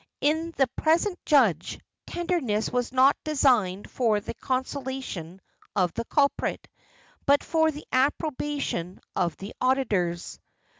In the present judge, tenderness was not designed for the consolation of the culprit, but for the approbation of the auditors.